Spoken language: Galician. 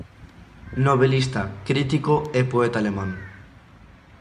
Novelista, crítico e poeta alemán.